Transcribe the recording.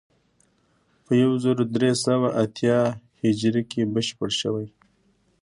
په یو زر درې سوه اتیا هجري کې بشپړ شوی.